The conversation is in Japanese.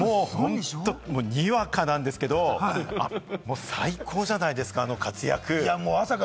にわかなんですけれども、最高じゃないですか、あの活躍。